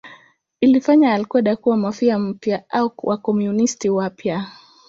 Ilifanya al-Qaeda kuwa Mafia mpya au Wakomunisti wapya.